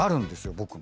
僕も。